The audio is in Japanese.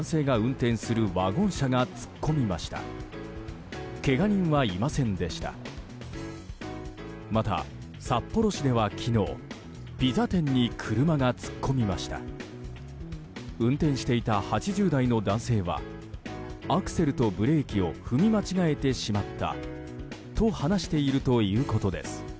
運転していた８０代の男性はアクセルとブレーキを踏み間違えてしまったと話しているということです。